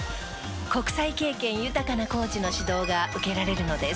国際経験豊かなコーチの指導が受けられるのです。